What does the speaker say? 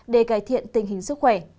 để cải thiện tình hình sức khỏe